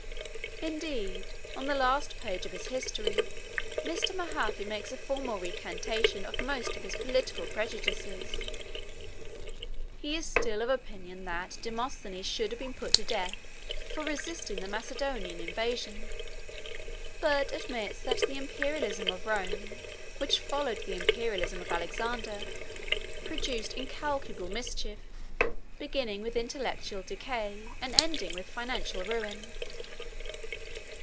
Indeed, on the last page of his history Mr. Mahaffy makes a formal recantation of most of his political prejudices. He is still of opinion that Demosthenes should have been put to death for resisting the Macedonian invasion, but admits that the imperialism of Rome, which followed the imperialism of Alexander, produced incalculable mischief, beginning with intellectual decay, and ending with financial ruin.